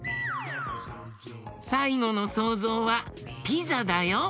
さいごのそうぞうはピザだよ。